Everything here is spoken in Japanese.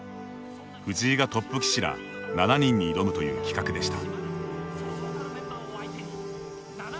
藤井がトップ棋士ら７人に挑むという企画でした。